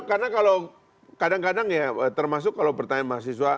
karena kalau kadang kadang ya termasuk kalau pertanyaan mahasiswa